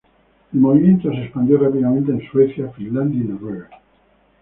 El movimiento se expandió rápidamente en Suecia, Finlandia, y Noruega.